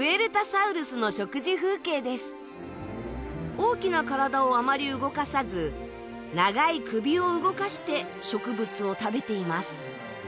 大きな体をあまり動かさず長い首を動かして植物を食べています。